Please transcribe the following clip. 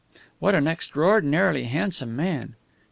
What an extraordinarily handsome man!"